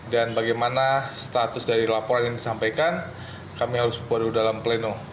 dan bagaimana status dari laporan yang disampaikan kami harus buat dulu dalam pleno